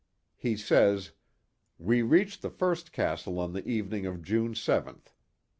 He says: We reached the first castle on the evening of June 7th.